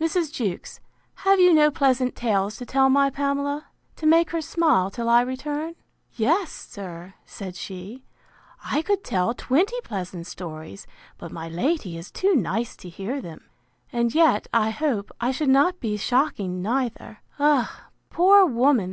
—Mrs. Jewkes, have you no pleasant tales to tell my Pamela, to make her smile, till I return?—Yes, sir, said she, I could tell twenty pleasant stories; but my lady is too nice to hear them; and yet, I hope, I should not be shocking neither. Ah! poor woman!